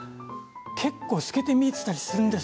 結構、透けて見えていたりするんです。